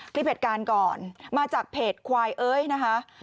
คลิปเหตุการณ์ก่อนมาจากเพจควายเอ้ยนะคะ